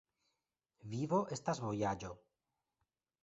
Vivo estas vojaĝo.